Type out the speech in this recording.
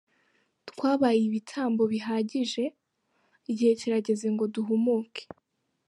Twabaye ibitambo bihagije igihe kirageze ngo duhumuke.